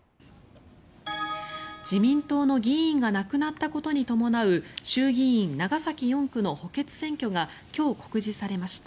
自民党の議員が亡くなったことに伴う衆議院長崎４区の補欠選挙が今日、告示されました。